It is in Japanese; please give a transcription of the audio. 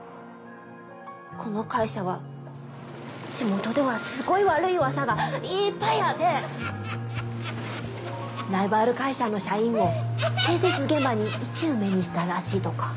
この会社は地元ではすごい悪い噂がいっぱいあってライバル会社の社員を建設現場に生き埋めにしたらしいとか。